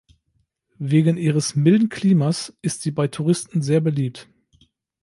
Wegen ihres milden Klimas ist sie bei Touristen sehr beliebt.